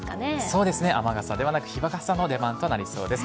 そうですね、雨傘ではなく日傘の出番となりそうです。